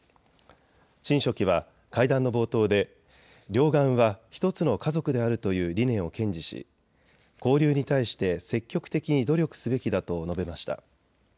陳書記は会談の冒頭で両岸は１つの家族であるという理念を堅持し交流に対して積極的に努力すべきだと述べました。